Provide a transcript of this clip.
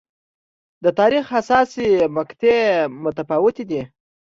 د تاریخ حساسې مقطعې متفاوتې دي.